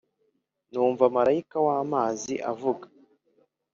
Numva marayika w’amazi avuga